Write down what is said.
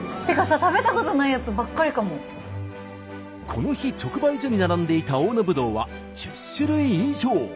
この日直売所に並んでいた大野ぶどうは１０種類以上。